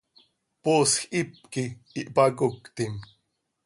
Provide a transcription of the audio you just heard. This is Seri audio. ¡Poosj hipquih hpacoctim!